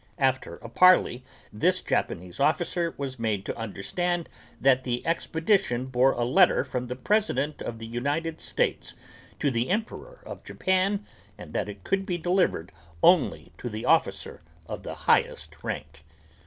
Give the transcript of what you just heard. After a parley this Japanese officer was made to understand that the expedition bore a letter from the President of the United States to the Emperor of Japan and that it could be delivered only to the officer of the highest rank.